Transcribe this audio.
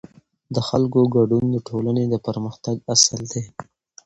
د خلکو ګډون د ټولنې د پرمختګ اصل دی